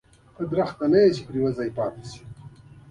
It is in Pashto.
تاسو ونه نه یاست چې په یو ځای پاتې شئ.